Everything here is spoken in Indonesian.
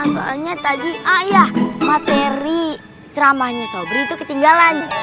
soalnya tadi ayah materi ceramahnya sobri itu ketinggalan